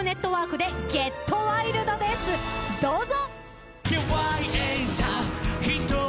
どうぞ！